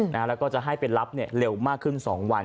แล้วก็จะให้ไปรับเร็วมากขึ้น๒วัน